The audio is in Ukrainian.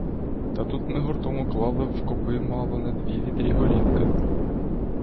Та тут ми гуртом уклали в копи мало не дві відрі горілки.